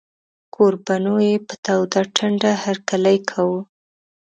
کوربنو یې په توده ټنډه هرکلی کاوه.